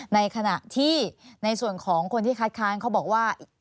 ในขณะที่ในส่วนของคนที่คัดค้านเขาบอกว่า